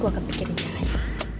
gue akan pikirin caranya